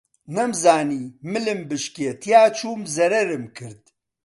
نەمزانی ملم بشکێ تیا چووم زەرەرم کرد